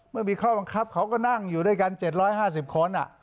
เมื่อมีข้อบังคับเขาก็นั่งอยู่ด้วยกัน๗๕๐คน